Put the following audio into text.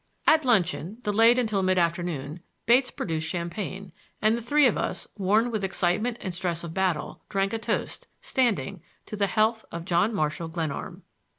At luncheon, delayed until mid afternoon, Bates produced champagne, and the three of us, worn with excitement and stress of battle, drank a toast, standing, to the health of John Marshall Glenarm.